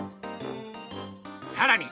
さらに！